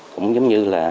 cũng giống như